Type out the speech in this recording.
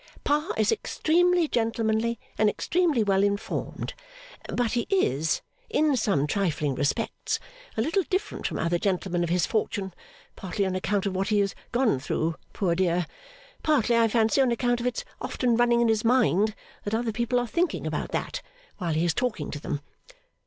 Pa is extremely gentlemanly and extremely well informed, but he is, in some trifling respects, a little different from other gentlemen of his fortune: partly on account of what he has gone through, poor dear: partly, I fancy, on account of its often running in his mind that other people are thinking about that, while he is talking to them.